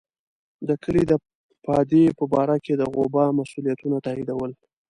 د کلي د پادې په باره کې د غوبه مسوولیتونه تاییدول.